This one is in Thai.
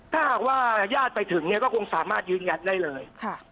ถ้าหากว่าย่านไปถึงก็คงสามารถยืนยันได้เลย